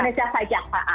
untuk indonesia saja